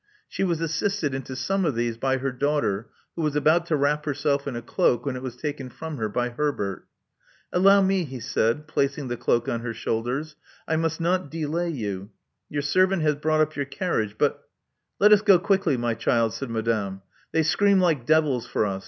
She was assisted into some of these by her daughter, who was about to wrap herself in a cloak, when it was taken from her by Herbert. Allow me," he said, placing the cloak on her shoulders. I must not delay you: your servant has brought up your carriage; but " Let us go quickly, my child," said Madame. They scream like devils for us.